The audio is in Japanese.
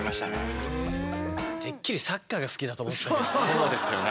そうですよね。